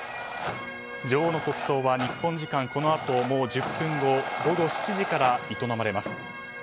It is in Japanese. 女王の国葬は日本時間このあと１０分後の午後７時から営まれます。